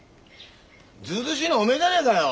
ずうずうしいのはおめえじゃねえかよ！